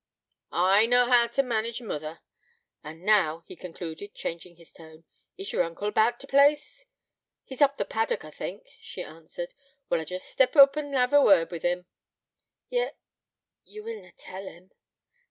'I knaw hoo t' manage mother. An' now,' he concluded, changing his tone, 'is yer uncle about t' place?' 'He's up the paddock, I think,' she answered. 'Well, I'll jest step oop and hev a word wi' him.' 'Ye're ... ye will na tell him.'